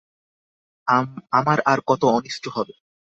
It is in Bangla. আমার আর কত অনিষ্ট হবে?